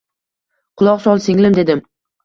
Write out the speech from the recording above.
Quloq sol, singlim, dedim